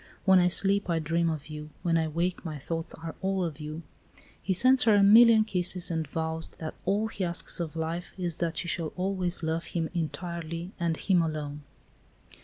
When I sleep I dream of you; when I wake my thoughts are all of you." He sends her a million kisses, and vows that all he asks of life is that she shall always love him entirely and him alone.